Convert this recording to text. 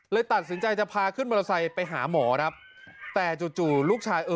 ตัดสินใจจะพาขึ้นมอเตอร์ไซค์ไปหาหมอครับแต่จู่จู่ลูกชายเออ